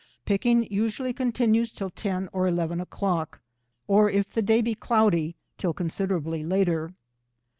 Picking usually continues till 10 or 1 1 o’clock, or if the day be cloudy till considerably later.